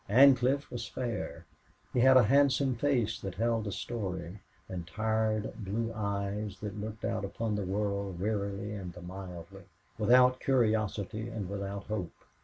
Ancliffe was fair; he had a handsome face that held a story, and tired blue eyes that looked out upon the world wearily and mildly, without curiosity and without hope.